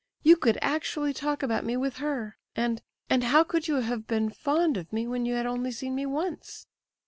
You could actually talk about me with her; and—and how could you have been fond of me when you had only seen me once?"